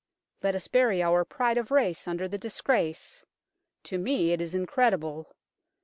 Let us bury our pride of race under the disgrace. To me it is incredible.